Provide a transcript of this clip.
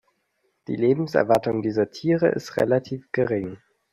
Die Lebenserwartung dieser Tiere ist relativ gering.